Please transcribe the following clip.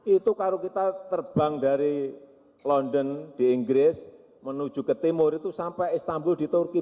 itu kalau kita terbang dari london di inggris menuju ke timur itu sampai istanbul di turki